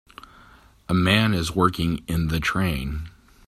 A man is working in the train.